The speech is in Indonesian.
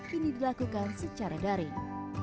kini dilakukan secara daring